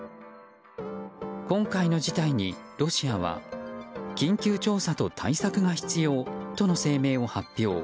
今回の事態に、ロシアは緊急調査と対策が必要との声明を発表。